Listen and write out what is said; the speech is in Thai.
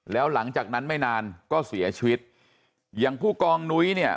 แล้วหลังจากนั้นไม่นานก็เสียชีวิตอย่างผู้กองนุ้ยเนี่ย